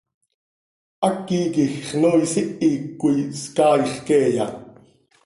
¿Háqui quij xnoois ihic coi scaaix queeya?